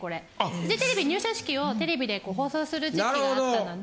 フジテレビ入社式をテレビで放送する時期があったので。